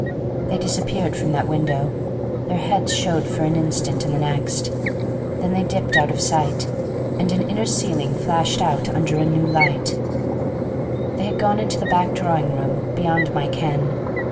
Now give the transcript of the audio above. They disappeared from that window. Their heads showed for an instant in the next. Then they dipped out of sight, and an inner ceiling flashed out under a new light; they had gone into the back drawing room, beyond my ken.